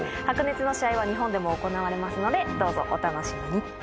白熱の試合は日本でも行われますのでどうぞお楽しみに。